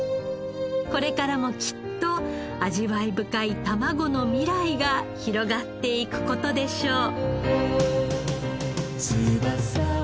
これからもきっと味わい深いたまごの未来が広がっていく事でしょう。